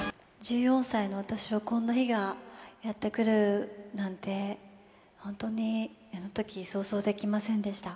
１４歳の私は、こんな日がやってくるなんて、本当に、あのとき想像できませんでした。